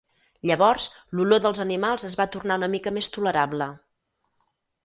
Llavors, l'olor dels animals es va tornar una mica més tolerable.